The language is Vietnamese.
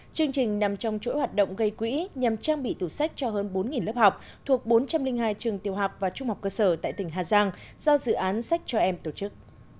chương trình nằm trong chuỗi hoạt động gây quỹ nhằm trang bị tủ sách cho hơn bốn lớp học thuộc bốn trăm linh hai trường tiêu học và trung học cơ sở tại tỉnh hà giang do dự án sách cho em tổ chức